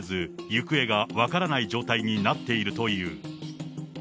行方が分からない状態になっているという。